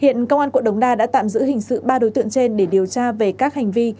hiện công an quận đống đa đã tạm giữ hình sự ba đối tượng trên để điều tra về các hành vi